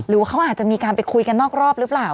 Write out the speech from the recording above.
หรือเขาอาจจะมีการไปคุยกันนอกรอบหรือเปล่า